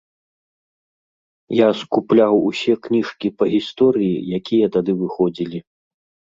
Я скупляў усе кніжкі па гісторыі, якія тады выходзілі.